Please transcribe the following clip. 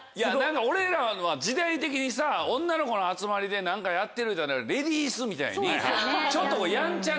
俺らは時代的にさ女の子の集まりで何かやってるいうたらレディースみたいにちょっとヤンチャな。